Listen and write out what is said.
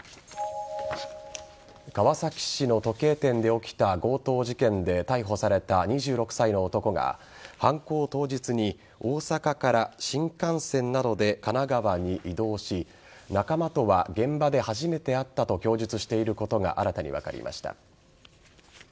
川崎市の時計店で起きた強盗事件で逮捕された２６歳の男が犯行当日に大阪から新幹線などで神奈川に移動し仲間とは現場で初めて会ったと供述していることが新たに分かりました。